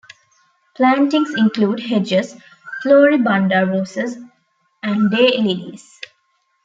Plantings include hedges, floribunda roses, and day lilies.